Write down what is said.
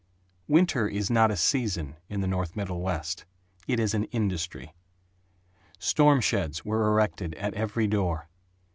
Winter is not a season in the North Middlewest; it is an industry. Storm sheds were erected at every door.